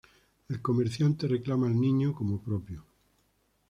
El comerciante reclama al niño como propio.